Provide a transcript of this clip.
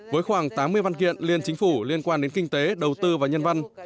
với khoảng tám mươi văn kiện liên chính phủ liên quan đến kinh tế đầu tư và nhân văn